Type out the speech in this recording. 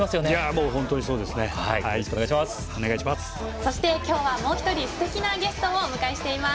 そして今日はすてきなゲストをもう１人お迎えしています。